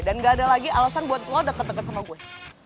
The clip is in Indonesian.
dan gak ada lagi alasan buat lo deket deket sama gue